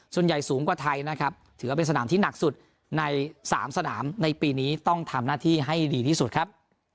สูงกว่าไทยนะครับถือว่าเป็นสนามที่หนักสุดใน๓สนามในปีนี้ต้องทำหน้าที่ให้ดีที่สุดครับ